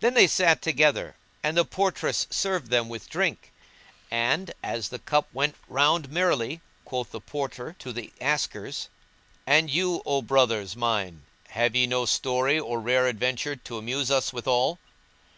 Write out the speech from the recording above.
Then they sat together, and the portress served them with drink; and, as the cup went round merrily, quoth the Porter to the askers, "And you, O brothers mine, have ye no story or rare adventure to amuse us withal?"